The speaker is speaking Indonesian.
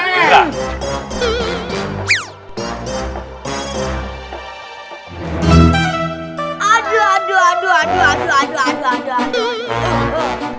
aduh aduh aduh aduh aduh aduh aduh aduh aduh aduh aduh